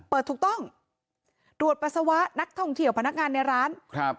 เปิดถูกต้องตรวจปัสสาวะนักท่องเที่ยวพนักงานในร้านครับ